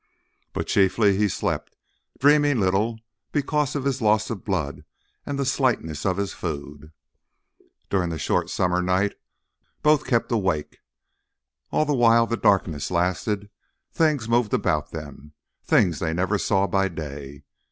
But chiefly he slept, dreaming little because of his loss of blood and the slightness of his food. During the short summer night both kept awake. All the while the darkness lasted things moved about them, things they never saw by day.